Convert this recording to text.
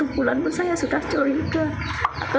enam bulan pun saya sudah curiga